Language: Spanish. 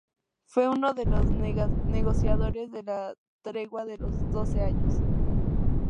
Fue uno de los negociadores de la Tregua de los Doce Años.